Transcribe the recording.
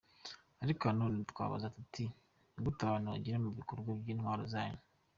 Ariko na none twababaza, … tuti ni gute abantu bagera mu bubiko bw’intwaro zanyu ?”